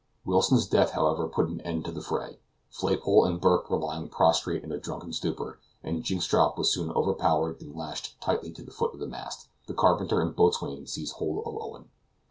Wilson's death, however, put an end to the fray. Flaypole and Burke were lying prostrate in a drunken stupor, and Jynxstrop was soon overpowered, and lashed tightly to the foot of the mast. The carpenter and boatswain seized hold of Owen.